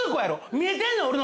見えてんの？